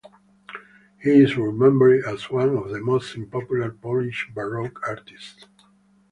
He is remembered as one of the most important Polish baroque artists.